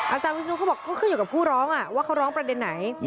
อาจารย์วิศนุเขาบอกเขาขึ้นอยู่กับผู้ร้องว่าเขาร้องประเด็นไหน